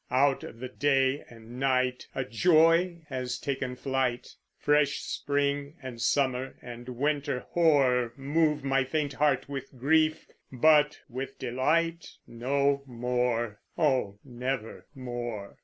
Out of the day and night A joy has taken flight; Fresh spring, and summer, and winter hoar, Move my faint heart with grief, but with delight No more oh, never more!